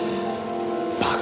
バカ！